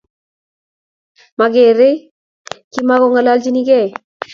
Mokerei kimakongalalchinkei